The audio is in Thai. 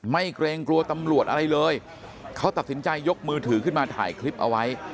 เกรงกลัวตำรวจอะไรเลยเขาตัดสินใจยกมือถือขึ้นมาถ่ายคลิปเอาไว้